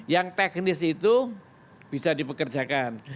yang teknis itu bisa dipekerjakan